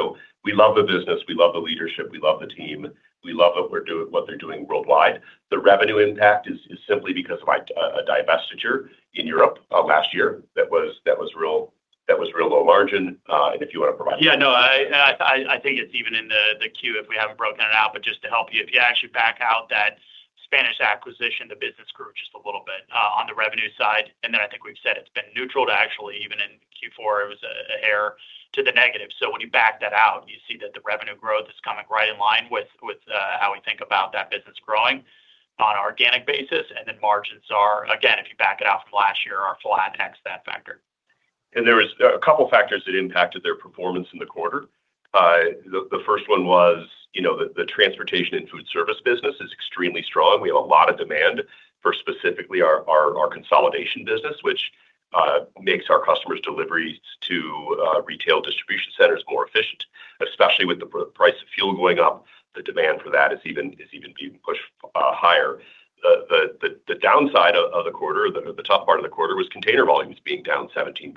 We love the business, we love the leadership, we love the team, we love what they're doing worldwide. The revenue impact is simply because of a divestiture in Europe last year that was real low margin. Yeah, no, I think it's even in the Q if we haven't broken it out. Just to help you, if you actually back out that Spanish acquisition, the business grew just a little bit on the revenue side. I think we've said it's been neutral to actually even in Q4, it was a hair to the negative. When you back that out, you see that the revenue growth is coming right in line with how we think about that business growing on an organic basis. Margins are, again, if you back it off last year, are flat ex that factor. There was a couple factors that impacted their performance in the quarter. The first one was, you know, the transportation and food service business is extremely strong. We have a lot of demand for specifically our consolidation business, which makes our customers deliveries to retail distribution centers more efficient. Especially with the price of fuel going up, the demand for that is even being pushed higher. The downside of the quarter was container volumes being down 17%.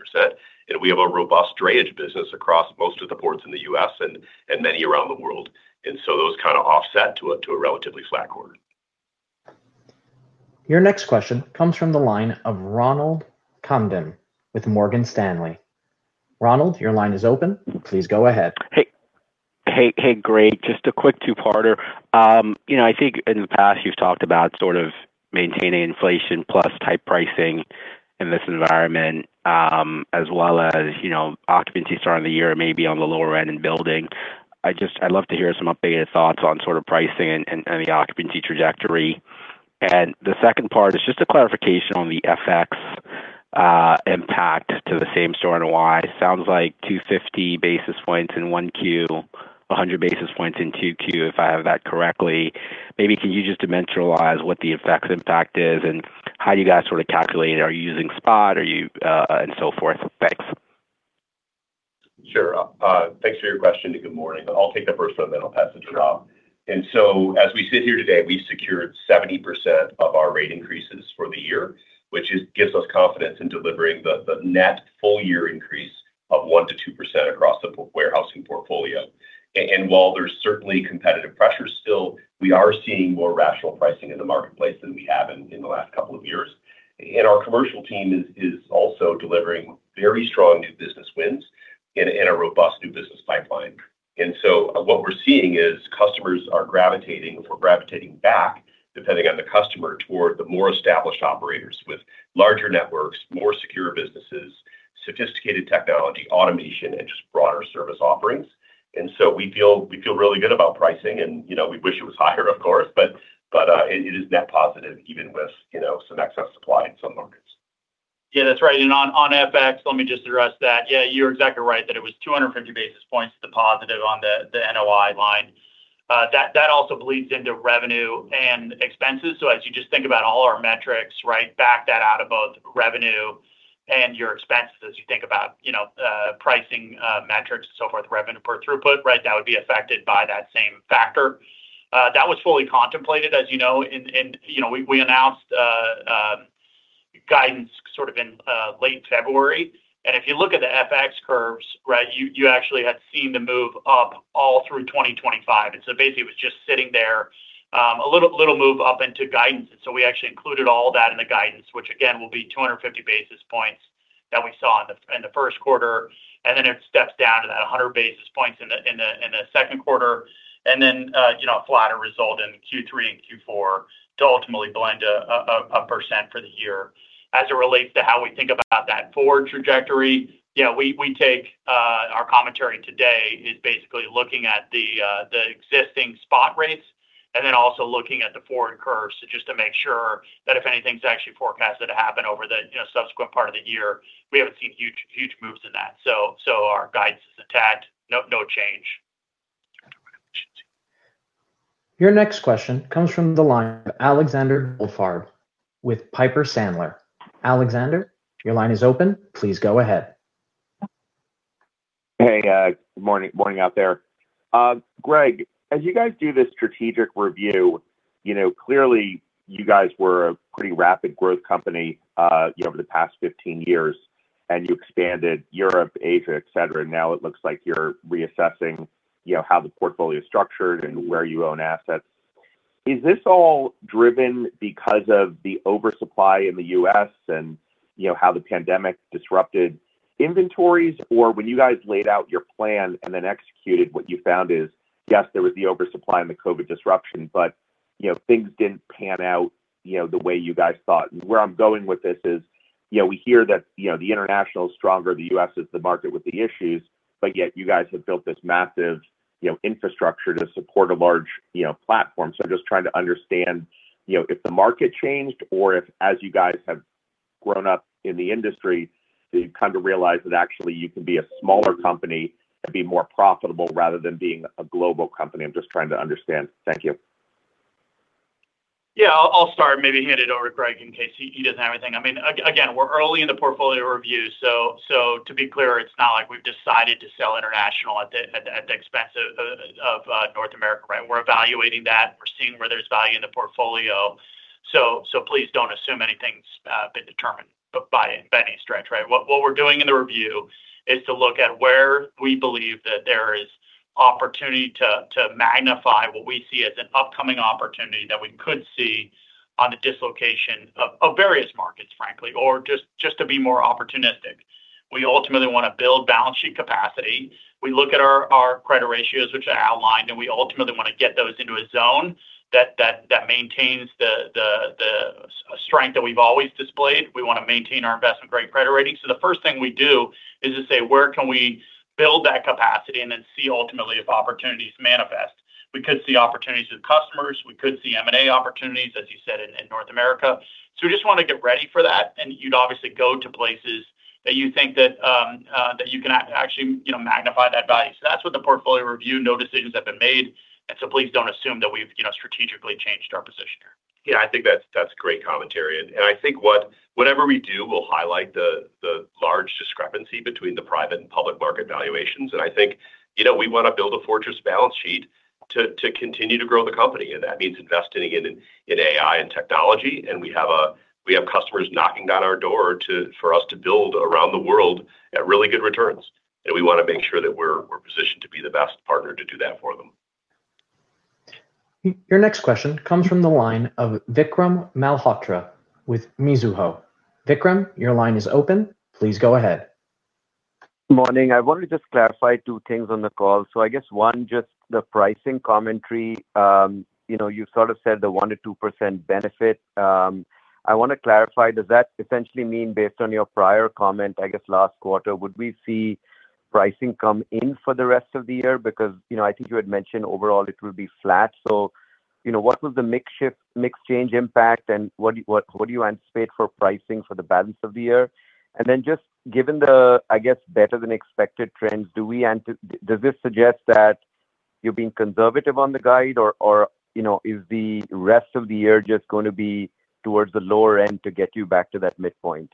We have a robust drayage business across most of the ports in the U.S. and many around the world. Those kind of offset to a relatively flat quarter. Your next question comes from the line of Ronald Kamdem with Morgan Stanley. Ronald, your line is open. Please go ahead. Hey, hey, Greg. Just a quick two-parter. You know, I think in the past you've talked about sort of maintaining inflation plus type pricing in this environment, as well as, you know, occupancy starting the year maybe on the lower end and building. I'd love to hear some updated thoughts on sort of pricing and the occupancy trajectory. The second part is just a clarification on the FX impact to the same-store NOI. It sounds like 250 basis points in 1Q, 100 basis points in 2Q, if I have that correctly. Maybe can you just dimensionalize what the FX impact is and how you guys sort of calculate? Are you using spot? Are you, and so forth. Thanks. Sure. Thanks for your question and good morning. I'll take the first one, then I'll pass it to Robb. As we sit here today, we've secured 70% of our rate increases for the year, which gives us confidence in delivering the net full year increase of 1%-2% across the warehousing portfolio. While there's certainly competitive pressure still, we are seeing more rational pricing in the marketplace than we have in the last couple of years. Our commercial team is also delivering very strong new business wins in a robust new business pipeline. What we're seeing is customers are gravitating, or gravitating back, depending on the customer, toward the more established operators with larger networks, more secure businesses, sophisticated technology, automation, and just broader service offerings. We feel really good about pricing and, you know, we wish it was higher, of course, but it is net positive even with, you know, some excess supply in some markets. Yeah, that's right. On FX, let me just address that. You're exactly right that it was 250 basis points to positive on the NOI line. That also bleeds into revenue and expenses. As you just think about all our metrics, right? Back that out of both revenue and your expenses. You think about, you know, pricing, metrics and so forth, revenue per throughput, right? That would be affected by that same factor. That was fully contemplated, as you know, in You know, we announced guidance sort of in late February. If you look at the FX curves, right, you actually had seen the move up all through 2025. Basically it was just sitting there, a little move up into guidance. We actually included all that in the guidance, which again will be 250 basis points that we saw in the first quarter, and then it steps down to that 100 basis points in the second quarter. Then, you know, flatter result in Q3 and Q4 to ultimately blend a percent for the year. As it relates to how we think about that forward trajectory, you know, we take Our commentary today is basically looking at the existing spot rates and then also looking at the forward curves just to make sure that if anything's actually forecasted to happen over the, you know, subsequent part of the year, we haven't seen huge moves in that. Our guidance is intact. No change. Your next question comes from the line of Alexander Goldfarb with Piper Sandler. Alexander, your line is open. Please go ahead. Hey, good morning out there. Greg, as you guys do this strategic review, you know, clearly you guys were a pretty rapid growth company, you know, over the past 15 years, and you expanded Europe, Asia, et cetera. Now it looks like you're reassessing, you know, how the portfolio is structured and where you own assets. Is this all driven because of the oversupply in the U.S. and, you know, how the pandemic disrupted inventories? Or when you guys laid out your plan and then executed what you found is, yes, there was the oversupply and the COVID disruption, but, you know, things didn't pan out, you know, the way you guys thought. Where I'm going with this is, you know, we hear that, you know, the international is stronger, the U.S. is the market with the issues, yet you guys have built this massive, you know, infrastructure to support a large, you know, platform. I'm just trying to understand, you know, if the market changed or if, as you guys have grown up in the industry, so you've kind of realized that actually you can be a smaller company and be more profitable rather than being a global company. I'm just trying to understand. Thank you. I'll start, maybe hand it over to Greg in case he doesn't have anything. I mean, again, we're early in the portfolio review, so to be clear, it's not like we've decided to sell international at the expense of North America, right? We're evaluating that. We're seeing where there's value in the portfolio. So please don't assume anything's been determined by any stretch, right? What we're doing in the review is to look at where we believe that there is opportunity to magnify what we see as an upcoming opportunity that we could see on the dislocation of various markets, frankly, or just to be more opportunistic. We ultimately want to build balance sheet capacity. We look at our credit ratios, which are outlined, and we ultimately want to get those into a zone that maintains the strength that we've always displayed. We want to maintain our investment-grade credit rating. The first thing we do is to say, where can we build that capacity and then see ultimately if opportunities manifest. We could see opportunities with customers. We could see M&A opportunities, as you said, in North America. We just want to get ready for that, and you'd obviously go to places that you think that you can actually, you know, magnify that value. That's with the portfolio review. No decisions have been made, please don't assume that we've, you know, strategically changed our position. Yeah, I think that's great commentary. I think whatever we do, we'll highlight the large discrepancy between the private and public market valuations. I think, you know, we wanna build a fortress balance sheet to continue to grow the company, and that means investing in AI and technology. We have customers knocking on our door for us to build around the world at really good returns, and we wanna make sure that we're positioned to be the best partner to do that for them. Your next question comes from the line of Vikram Malhotra with Mizuho. Vikram, your line is open. Please go ahead. Morning. I wanted to just clarify two things on the call. I guess, one, just the pricing commentary. You know, you sort of said the 1%-2% benefit. I want to clarify, does that essentially mean based on your prior comment, I guess last quarter, would we see pricing come in for the rest of the year? Because, you know, I think you had mentioned overall it will be flat. You know, what was the mix shift, mix change impact, and what do you anticipate for pricing for the balance of the year? Then just given the, I guess, better than expected trends, does this suggest that you're being conservative on the guide or, you know, is the rest of the year just going to be towards the lower end to get you back to that midpoint?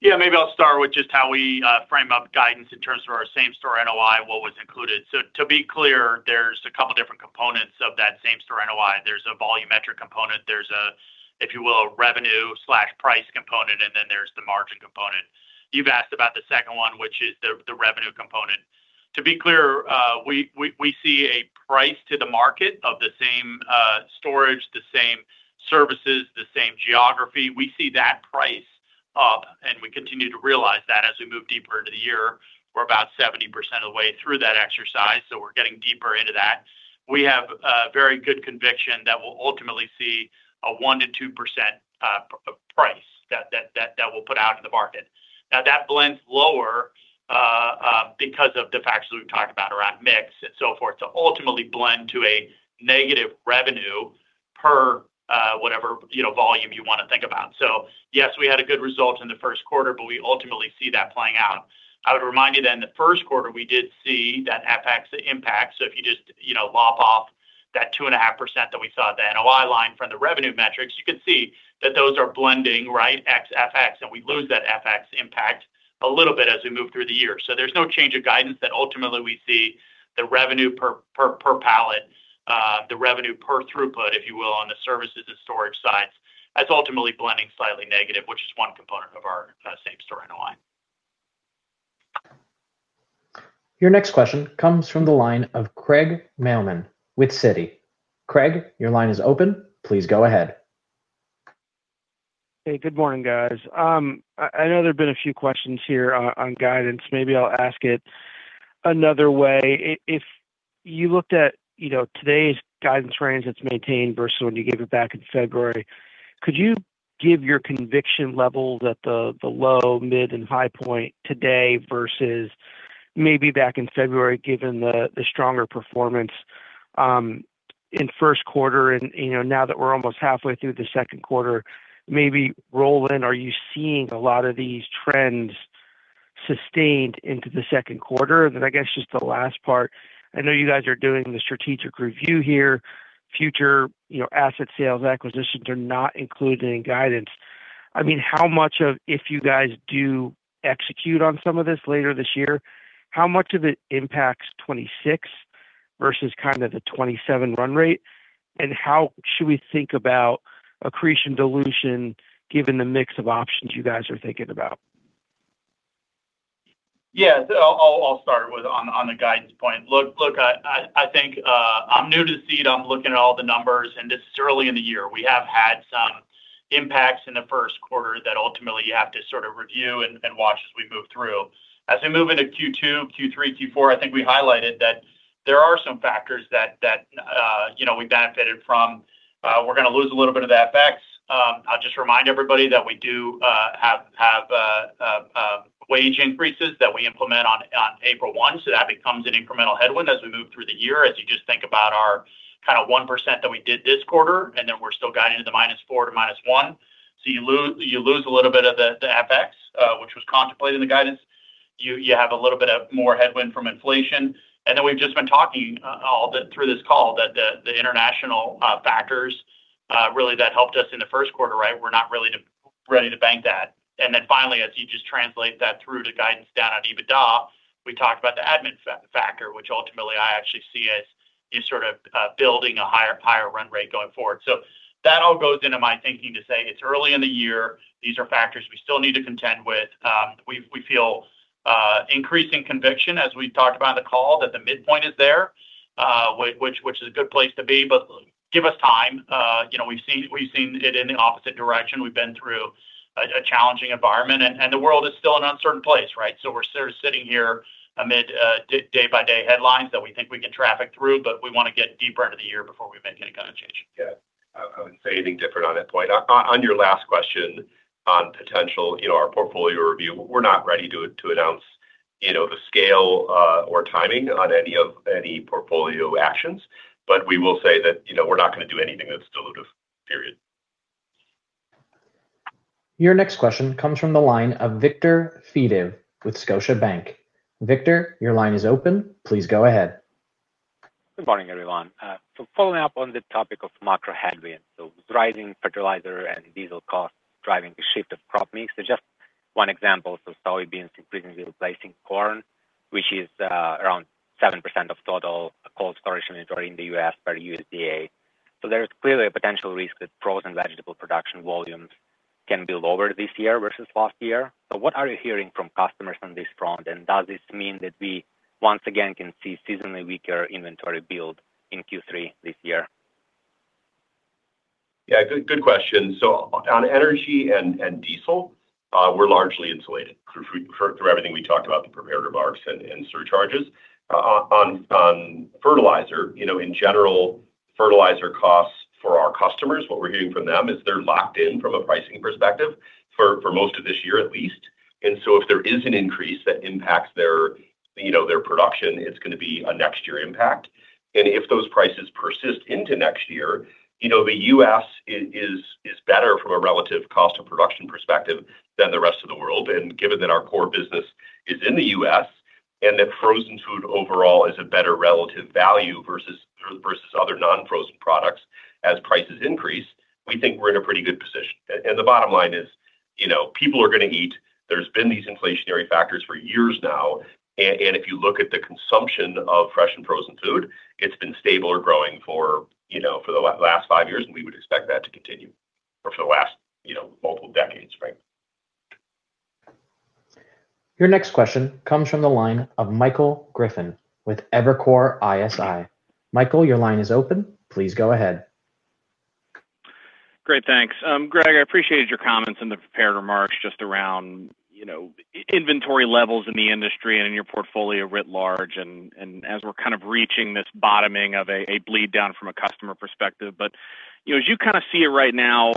Yeah, maybe I'll start with just how we frame up guidance in terms of our same-store NOI, what was included. To be clear, there's a couple different components of that same-store NOI. There's a volumetric component. There's a, if you will, a revenue/price component, and then there's the margin component. You've asked about the second one, which is the revenue component. To be clear, we see a price to the market of the same storage, the same services, the same geography. We see that price up, and we continue to realize that as we move deeper into the year. We're about 70% of the way through that exercise, so we're getting deeper into that. We have very good conviction that we'll ultimately see a 1%-2% price that we'll put out in the market. That blends lower because of the factors we've talked about around mix and so forth to ultimately blend to a negative revenue per whatever, you know, volume you wanna think about. Yes, we had a good result in the first quarter, but we ultimately see that playing out. I would remind you that in the first quarter, we did see that FX impact. If you just, you know, lop off that 2.5% that we saw at the NOI line from the revenue metrics, you could see that those are blending, right, ex FX, and we lose that FX impact a little bit as we move through the year. There's no change of guidance that ultimately we see the revenue per pallet, the revenue per throughput, if you will, on the services and storage sides. That's ultimately blending slightly negative, which is one component of our same-store NOI. Your next question comes from the line of Craig Mailman with Citi. Craig, your line is open. Please go ahead. Hey, good morning, guys. I know there have been a few questions here on guidance. Maybe I'll ask it another way. If you looked at, you know, today's guidance range that's maintained versus when you gave it back in February, could you give your conviction level that the low, mid, and high point today versus maybe back in February, given the stronger performance in first quarter and, you know, now that we're almost halfway through the second quarter? Maybe, Robb, are you seeing a lot of these trends sustained into the second quarter? I guess just the last part, I know you guys are doing the strategic review here. Future, you know, asset sales, acquisitions are not included in guidance. I mean, how much of If you guys do execute on some of this later this year, how much of it impacts 2026 versus kind of the 2027 run rate? How should we think about accretion dilution given the mix of options you guys are thinking about? Yeah. I'll start with on the guidance point. Look, I think I'm new to Seed. I'm looking at all the numbers, this is early in the year. We have had some impacts in the first quarter that ultimately you have to sort of review and watch as we move through. As we move into Q2, Q3, Q4, I think we highlighted that there are some factors that, you know, we benefited from. We're gonna lose a little bit of FX. I'll just remind everybody that we do have wage increases that we implement on April 1, that becomes an incremental headwind as we move through the year, as you just think about our kind of 1% that we did this quarter, and then we're still guiding to the -4% to -1%. You lose a little bit of the FX, which was contemplated in the guidance. You have a little bit of more headwind from inflation. We've just been talking all through this call that the international factors really that helped us in the first quarter. We're not really ready to bank that. Finally, as you just translate that through to guidance down on EBITDA, we talked about the admin factor, which ultimately I actually see as sort of building a higher run rate going forward. That all goes into my thinking to say it's early in the year. These are factors we still need to contend with. We feel increasing conviction as we talked about on the call, that the midpoint is there, which is a good place to be, but give us time. You know, we've seen it in the opposite direction. We've been through a challenging environment and the world is still an uncertain place, right? We're sort of sitting here amid, day-by-day headlines that we think we can traffic through, but we wanna get deeper into the year before we make any kind of change. Yeah. I wouldn't say anything different on that point. On your last question on potential, you know, our portfolio review, we're not ready to announce, you know, the scale or timing on any portfolio actions. We will say that, you know, we're not gonna do anything that's dilutive, period. Your next question comes from the line of Viktor Fediv with Scotiabank. Viktor, your line is open. Please go ahead. Good morning, everyone. Following up on the topic of macro headwinds. Rising fertilizer and diesel costs driving a shift of crop mix. Just one example, soybeans increasingly replacing corn, which is around 7% of total cold storage inventory in the U.S. per USDA. There is clearly a potential risk that frozen vegetable production volumes can be lower this year versus last year. What are you hearing from customers on this front? Does this mean that we once again can see seasonally weaker inventory build in Q3 this year? Yeah, good question. On energy and diesel, we're largely insulated through everything we talked about in the prepared remarks and surcharges. On fertilizer, you know, in general, fertilizer costs for our customers, what we're hearing from them is they're locked in from a pricing perspective for most of this year at least. If there is an increase that impacts their, you know, their production, it's gonna be a next year impact. If those prices persist into next year, you know, the U.S. is better from a relative cost of production perspective than the rest of the world. Given that our core business is in the U.S. and that frozen food overall is a better relative value versus other non-frozen products as prices increase, we think we're in a pretty good position. The bottom line is, you know, people are gonna eat. There's been these inflationary factors for years now. If you look at the consumption of fresh and frozen food, it's been stable or growing for, you know, for the last five years, and we would expect that to continue. For the last, you know, multiple decades, right? Your next question comes from the line of Michael Griffin with Evercore ISI. Michael, your line is open. Please go ahead. Great, thanks. Greg, I appreciated your comments in the prepared remarks just around, you know, inventory levels in the industry and in your portfolio writ large and as we're kind of reaching this bottoming of a bleed down from a customer perspective. You know, as you kinda see it right now,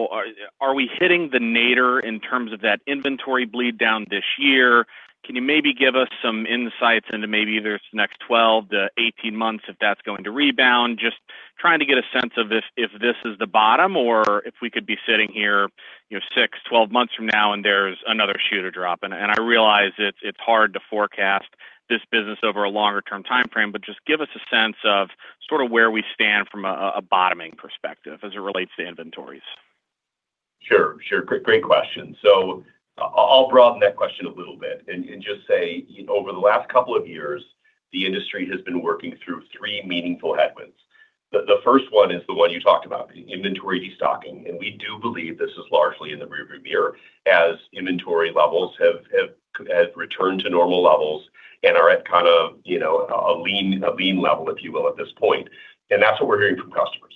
are we hitting the nadir in terms of that inventory bleed down this year? Can you maybe give us some insights into maybe either it's the next 12 to 18 months if that's going to rebound? Just trying to get a sense of if this is the bottom or if we could be sitting here, you know, six months, 12 months from now and there's another shoe to drop. I realize it's hard to forecast this business over a longer term timeframe, just give us a sense of sorta where we stand from a bottoming perspective as it relates to inventories. Sure. Sure. Great question. I'll broaden that question a little bit and just say over the last couple of years, the industry has been working through three meaningful headwinds. The first one is the one you talked about, inventory destocking. We do believe this is largely in the rearview mirror as inventory levels have returned to normal levels and are at kind of, you know, a lean level, if you will, at this point. That's what we're hearing from customers.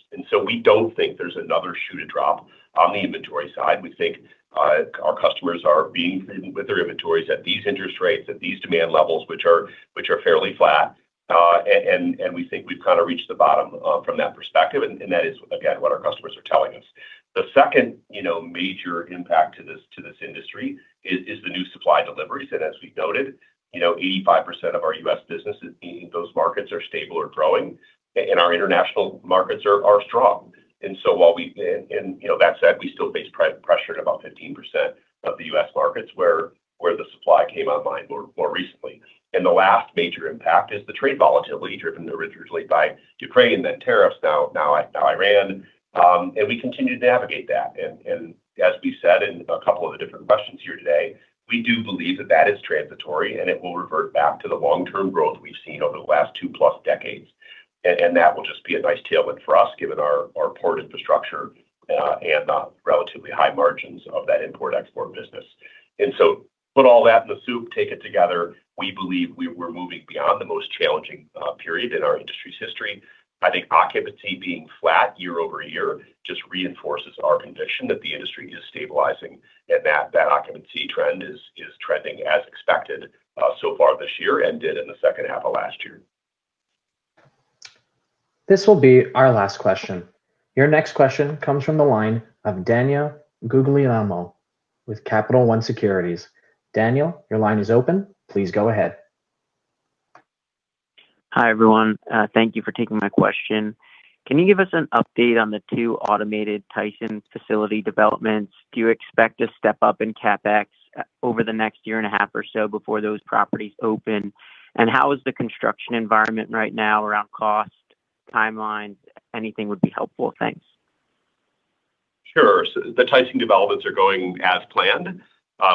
We don't think there's another shoe to drop on the inventory side. We think our customers are being prudent with their inventories at these interest rates, at these demand levels, which are fairly flat. And we think we've kind of reached the bottom from that perspective. That is, again, what our customers are telling us. The second, you know, major impact to this industry is the new supply deliveries. As we noted, you know, 85% of our U.S. businesses, those markets are stable or growing, and our international markets are strong. While we, you know, that said, we still face price pressure at about 15% of the U.S. markets where the supply came online more recently. The last major impact is the trade volatility driven originally by Ukraine, then tariffs, now Iran. We continue to navigate that. As we said in a couple of the different questions here today, we do believe that is transitory, and it will revert back to the long-term growth we've seen over the last 2+ decades. That will just be a nice tailwind for us, given our port infrastructure and the relatively high margins of that import-export business. Put all that in the soup, take it together, we believe we're moving beyond the most challenging period in our industry's history. I think occupancy being flat year-over-year just reinforces our conviction that the industry is stabilizing and that that occupancy trend is trending as expected so far this year and did in the second half of last year. This will be our last question. Your next question comes from the line of Daniel Guglielmo with Capital One Securities. Daniel, your line is open. Please go ahead. Hi, everyone. Thank you for taking my question. Can you give us an update on the two automated Tyson facility developments? Do you expect a step-up in CapEx over the next year and a half or so before those properties open? How is the construction environment right now around cost, timelines? Anything would be helpful. Thanks. The Tyson developments are going as planned.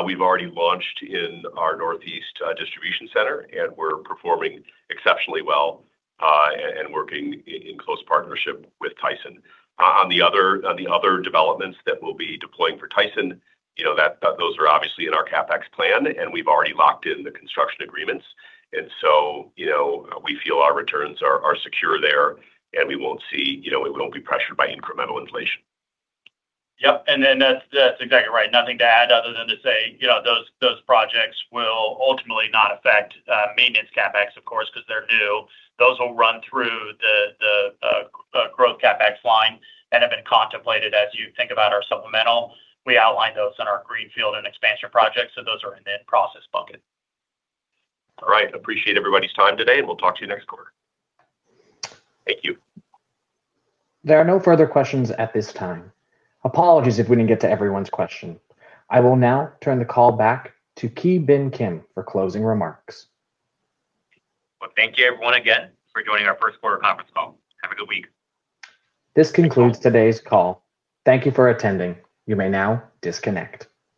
We've already launched in our Northeast distribution center, and we're performing exceptionally well, and working in close partnership with Tyson. On the other developments that we'll be deploying for Tyson, you know, that those are obviously in our CapEx plan, and we've already locked in the construction agreements. You know, we feel our returns are secure there, and we won't see, you know, we won't be pressured by incremental inflation. Yep. That's exactly right. Nothing to add other than to say, you know, those projects will ultimately not affect maintenance CapEx, of course, because they're new. Those will run through the growth CapEx line and have been contemplated as you think about our supplemental. We outlined those in our greenfield and expansion projects, so those are in that process bucket. All right. Appreciate everybody's time today, and we'll talk to you next quarter. Thank you. There are no further questions at this time. Apologies if we didn't get to everyone's question. I will now turn the call back to Ki Bin Kim for closing remarks. Well, thank you everyone again for joining our first quarter conference call. Have a good week. This concludes today's call. Thank you for attending. You may now disconnect.